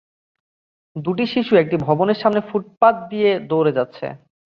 দুটি শিশু একটি ভবনের সামনে ফুটপাত দিয়ে দৌড়ে যাচ্ছে।